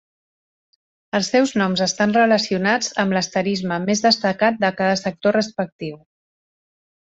Els seus noms estan relacionats amb l'asterisme més destacat de cada sector respectiu.